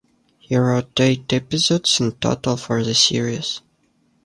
He wrote eight episodes in total for the series.